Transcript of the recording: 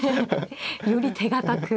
より手堅く。